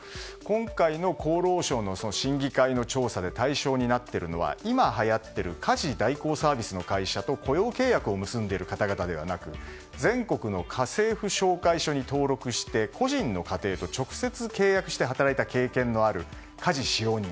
今回の厚労省の審議会の調査で対象になっているのは今、はやっている家事代行サービスの会社と雇用契約を結んでいる方々でなく全国の家政婦紹介所に登録して個人の家庭と直接契約して働いた経験のある、家事使用人。